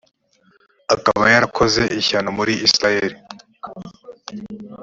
akaba yarakoze ishyano muri israheli.